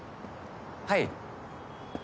はい。